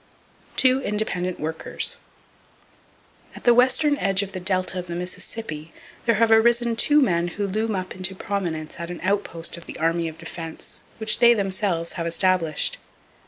Two Independent Workers. —At the western edge of the delta of the Mississippi there have arisen two men who loom up into prominence at an outpost of the Army of Defense which they themselves have established.